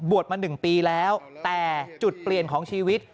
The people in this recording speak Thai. มา๑ปีแล้วแต่จุดเปลี่ยนของชีวิต